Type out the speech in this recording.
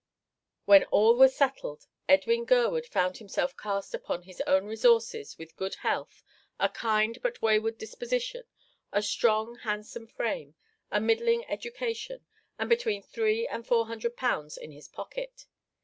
When all was settled, Edwin Gurwood found himself cast upon his own resources with good health, a kind but wayward disposition, a strong handsome frame, a middling education, and between three and four hundred pounds in his pocket.